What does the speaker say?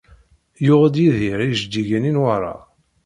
Yuɣ-d Yidir ijeǧǧigen i Newwara.